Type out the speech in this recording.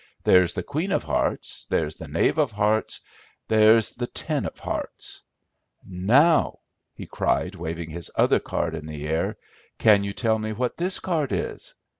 "There's the queen of hearts, there's the knave of hearts, there's the ten of hearts. Now," he cried, waving his other card in the air, "can you tell me what this card is?"